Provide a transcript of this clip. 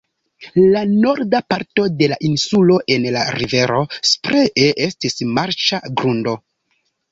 La norda parto de la insulo en la rivero Spree estis marĉa grundo.